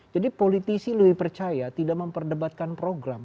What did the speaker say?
jadi politisi lebih percaya tidak memperdebatkan program